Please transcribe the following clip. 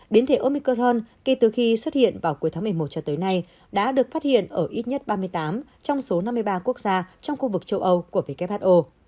biến thể omic hơn kể từ khi xuất hiện vào cuối tháng một mươi một cho tới nay đã được phát hiện ở ít nhất ba mươi tám trong số năm mươi ba quốc gia trong khu vực châu âu của who